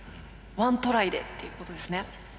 ワントライでっていうことですね。